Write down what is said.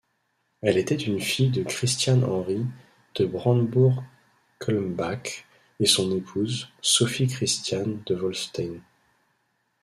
Elle était une fille de Christian-Henri de Brandebourg-Culmbach et son épouse, Sophie-Christiane de Wolfstein.